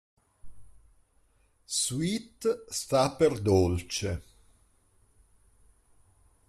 Sweet sta per dolce.